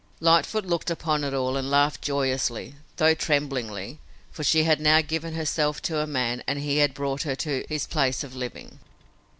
Lightfoot looked upon it all and laughed joyously, though tremblingly, for she had now given herself to a man and he had brought her to his place of living.